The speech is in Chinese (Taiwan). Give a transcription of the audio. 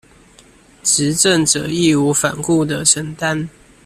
執政者義無反顧的承擔